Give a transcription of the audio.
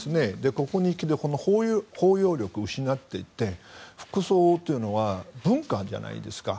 ここに来て包容力を失っていて服装というのは文化じゃないですか。